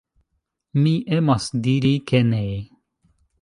Mi emas diri ke ne.